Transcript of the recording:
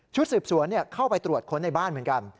สืบสวนเข้าไปตรวจค้นในบ้านเหมือนกัน